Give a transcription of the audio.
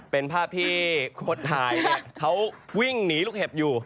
เป็นภาพที่คนถ่ายเขาวิ่งหนีลูกเห็บอยู่